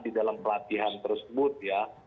di dalam pelatihan tersebut ya